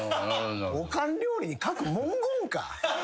おかん料理に書く文言か！